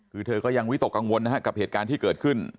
คือเธอก็ยังวิตกกังวลนะฮะกับเหตุการณ์ที่เกิดขึ้น